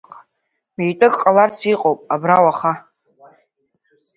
Митәык ҟаларц иҟоуп абра уаха…